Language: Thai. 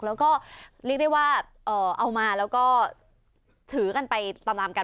แล้วก็เรียกได้ว่าเอามาแล้วก็ถือกันไปตามกัน